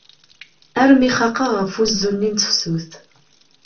Armi xaqeɣ ɣef uzzu-nni n tefsut.